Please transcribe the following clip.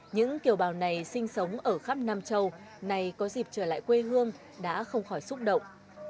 những kiều bào này sinh sống ở khắp nam châu này có dịp trở lại quê hương đã không khỏi xúc động